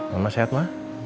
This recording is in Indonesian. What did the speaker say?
mama sehat ma